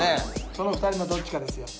その２人のどっちかですよ。